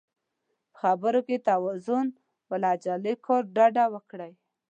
په خبرو کې توازن او له عجله کولو ډډه وکړئ.